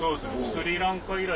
スリランカ以来。